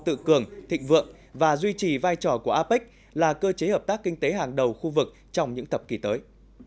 tự cường thịnh vượng và duy trì vai trò của apec là cơ chế hợp tác kinh tế hàng đầu khu vực trong những thập kỷ tới